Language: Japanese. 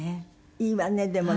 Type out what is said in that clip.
いいわねでもね。